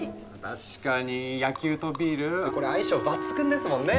確かに野球とビールこれ相性抜群ですもんね。